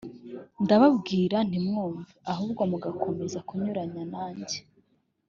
ndababwira ntimwumve, ahubwo mugakomeza kunyuranya nanjye